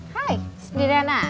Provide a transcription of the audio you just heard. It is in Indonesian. hai sendirian aja